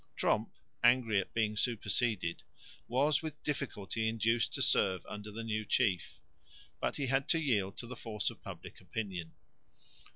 Tromp, angry at being superseded, was with difficulty induced to serve under the new chief, but he had to yield to the force of public opinion.